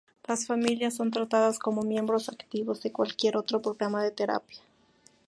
Las familias son tratadas como miembros activos de cualquier otro programa de terapia.